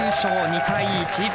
２対１。